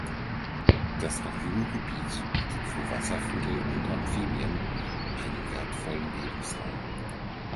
Das noch junge Gebiet bietet für Wasservögel und Amphibien einen wertvollen Lebensraum.